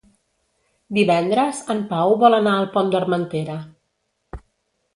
Divendres en Pau vol anar al Pont d'Armentera.